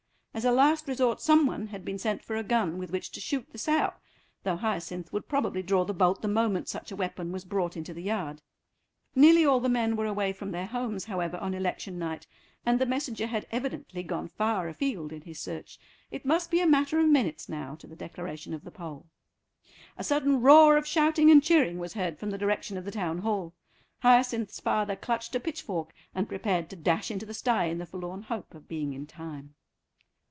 As a last resort some one had been sent for a gun with which to shoot the sow, though Hyacinth would probably draw the bolt the moment such a weapon was brought into the yard. Nearly all the men were away from their homes, however, on election night, and the messenger had evidently gone far afield in his search. It must be a matter of minutes now to the declaration of the poll. A sudden roar of shouting and cheering was heard from the direction of the Town Hall. Hyacinth's father clutched a pitchfork and prepared to dash into the stye in the forlorn hope of being in time.